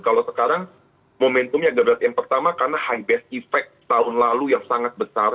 kalau sekarang momentumnya gerbes yang pertama karena high best effect tahun lalu yang sangat besar